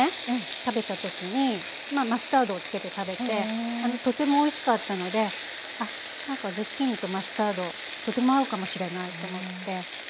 食べた時にマスタードを付けて食べてとてもおいしかったのでなんかズッキーニとマスタードとても合うかもしれないと思って